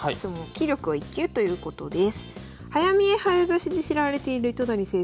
棋力は１級ということです。